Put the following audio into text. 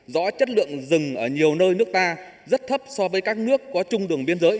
rõ chất lượng rừng ở nhiều nơi nước ta rất thấp so với các nước có chung đường biên giới